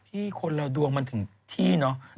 คนละดวงมันถึงที่เนอะ